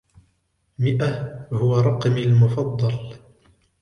مئة هو رقمي المفضل.